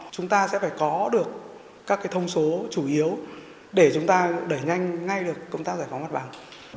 chúng ta sẽ phải có được các thông số chủ yếu để chúng ta đẩy nhanh ngay được công tác giải phóng mặt bằng